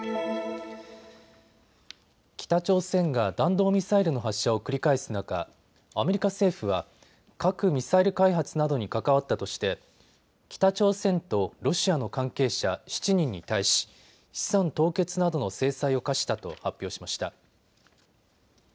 北朝鮮が弾道ミサイルの発射を繰り返す中、アメリカ政府は核・ミサイル開発などに関わったとして北朝鮮とロシアの関係者７人に対し、資産凍結などの制裁を科したと発表しました。